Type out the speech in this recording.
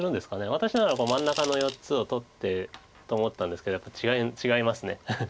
私なら真ん中の４つを取って。と思ったんですけどやっぱり違いますね。